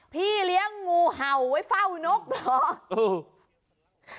พี่เลี้ยงงูเห่าไว้เฝ้านกเหรอ